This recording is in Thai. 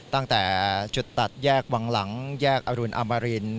ตั้งแต่จุดตัดแยกวังหลังแยกอรุณอมริน